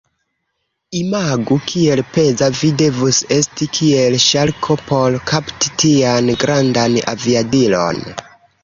Imagu kiel peza vi devus esti, kiel ŝarko, por kapti tian grandan aviadilon.